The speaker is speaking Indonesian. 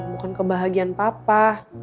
bukan kebahagiaan papa